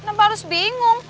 kenapa harus bingung